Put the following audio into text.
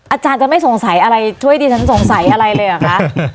อาจารย์จะไม่สงสัยอะไรช่วยดิฉันสงสัยอะไรเลยเหรอคะ